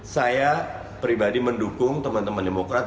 saya pribadi mendukung teman teman demokrat